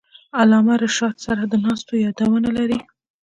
علامه رشاد سره د ناستو یادونه لري.